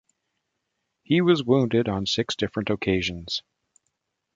He was wounded on six different occasions.